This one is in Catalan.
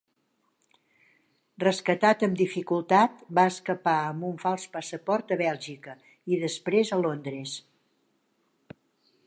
Rescatat amb dificultat, va escapar amb un fals passaport a Bèlgica, i després a Londres.